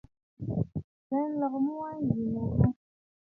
Ghɛ̀ɛ nlɔgə mu wa nzì nɨ ghu.